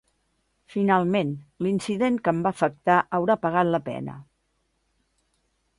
Finalment, l’incident que em va afectar haurà pagat la pena.